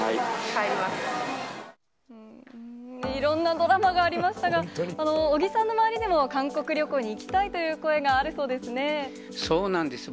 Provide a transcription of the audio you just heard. いろんなドラマがありましたが、尾木さんの周りでも、韓国旅行に行きたいという声があるそうですそうなんです。